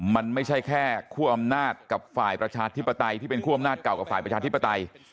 มันไม่ใช่แค่คั่วอำนาจกับฝ่ายประชาธิปไตยที่เป็นคั่วอำนาจเก่ากับฝ่ายประชาธิปไตย